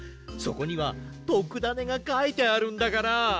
そこにはとくダネがかいてあるんだから！